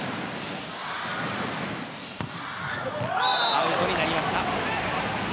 アウトになりました。